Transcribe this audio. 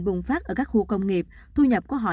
bùng phát ở các khu công nghiệp thu nhập của họ